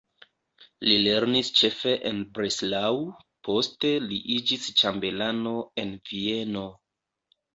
Li lernis ĉefe en Breslau, poste li iĝis ĉambelano en Vieno.